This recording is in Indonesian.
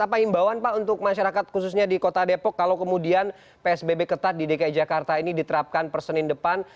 apa imbauan pak untuk masyarakat khususnya di kota depok kalau kemudian psbb ketat di dki jakarta ini diterapkan persenin depan